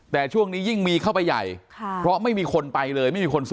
แต่ช่วงนี้ยิ่งมีเข้าไปใหญ่